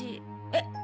えっ。